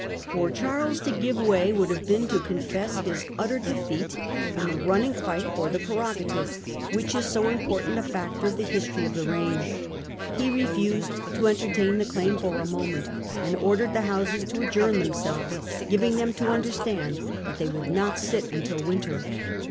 For Charles to give way would have been to con fess his utter defeat in the running fight for the preroga tive which is so important a factor of the history of the reign. He refused to entertain the claim for a moment, and ordered the Houses to adjourn themselves, giving them to understand that they would not sit until winter.